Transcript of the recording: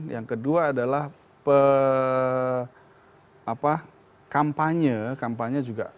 yang kedua adalah pe apa kampanye kampanye juga